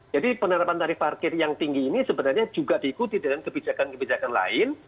jadi penerapan tarif parkir yang tinggi ini sebenarnya juga diikuti dengan kebijakan kebijakan lain